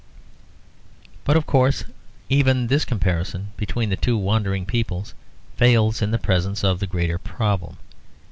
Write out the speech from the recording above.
But, of course, even this comparison between the two wandering peoples fails in the presence of the greater problem.